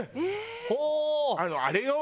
ほう！あれよ？